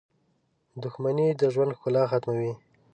• دښمني د ژوند ښکلا ختموي.